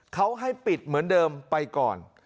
เขาให้ปิดเหมือนเดิมไปก่อน